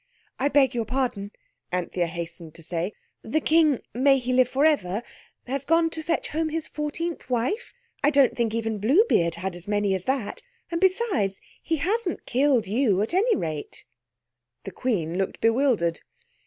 "I beg your pardon," Anthea hastened to say—"the King may he live for ever has gone to fetch home his fourteenth wife? I don't think even Bluebeard had as many as that. And, besides, he hasn't killed you at any rate." The Queen looked bewildered.